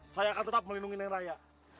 saya akan tetap melindungi neng raya